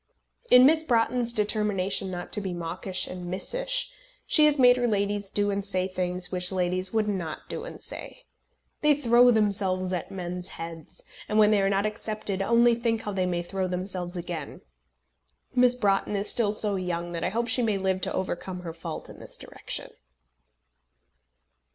In Miss Broughton's determination not to be mawkish and missish, she has made her ladies do and say things which ladies would not do and say. They throw themselves at men's heads, and when they are not accepted only think how they may throw themselves again. Miss Broughton is still so young that I hope she may live to overcome her fault in this direction.